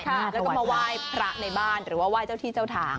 แล้วก็มาไหว้พระในบ้านหรือว่าไหว้เจ้าที่เจ้าทาง